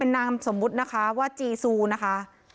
ไม่ต้องห่วงเราก็หนีนะ